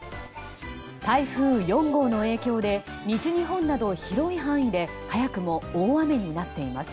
台風４号の影響で西日本など広い範囲で早くも大雨になっています。